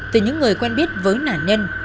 từ những người quen biết với nạn nhân